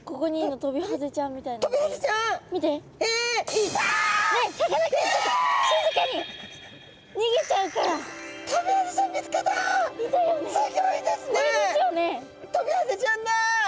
トビハゼちゃんだ！